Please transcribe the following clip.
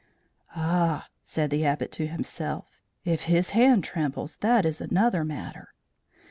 "Ah," said the Abbot to himself, "if his hand trembles, that is another matter."